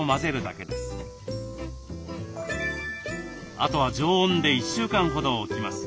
あとは常温で１週間ほど置きます。